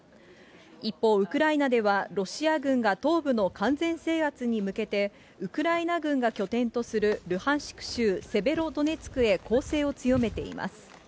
一方、ウクライナではロシア軍が東部の完全制圧に向けて、ウクライナ軍が拠点とする、ルハンシク州セベロドネツクへ攻勢を強めています。